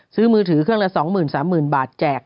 ซื้อมือถือเครื่องละ๒๐๐๐๐๓๐๐๐๐บาทแจก